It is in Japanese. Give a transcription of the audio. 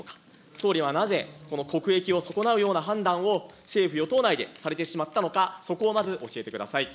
総理はなぜ、国益を損なうような判断を政府・与党内でされてしまったのか、そこをまず教えてください。